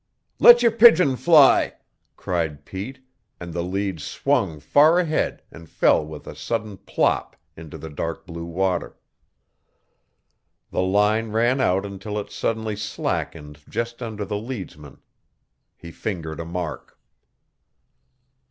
"Let your pigeon fly!" cried Pete, and the lead swung far ahead and fell with a sullen plop into the dark blue water. The line ran out until it suddenly slackened just under the leadsman. He fingered a mark.